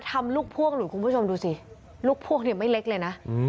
ทำลูกพ่วงหลุดคุณผู้ชมดูสิลูกพ่วงเนี่ยไม่เล็กเลยนะ